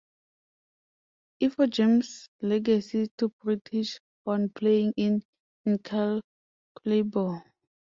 Ifor James' legacy to British horn playing is incalculable.